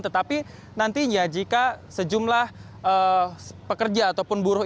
tetapi nantinya jika sejumlah pekerja ataupun buruh